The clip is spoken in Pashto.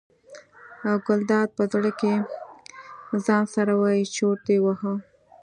ګلداد په زړه کې ځان سره وایي چورت یې وواهه.